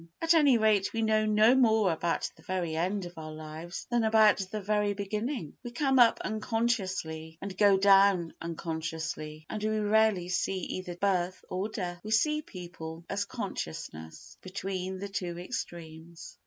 At any rate we know no more about the very end of our lives than about the very beginning. We come up unconsciously, and go down unconsciously; and we rarely see either birth or death. We see people, as consciousness, between the two extremes.